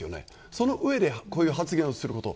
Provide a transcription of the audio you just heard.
その上でこういう発言をすること